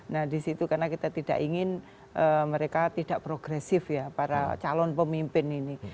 nah disitu karena kita tidak ingin mereka tidak progresif ya para calon pemimpin ini